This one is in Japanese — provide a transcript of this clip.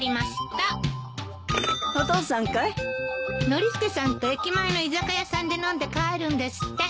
ノリスケさんと駅前の居酒屋さんで飲んで帰るんですって。